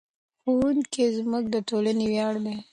ښوونکي زموږ د ټولنې ویاړ دي.